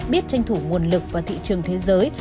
biết tranh thủ nguồn lực và thị trường thế giới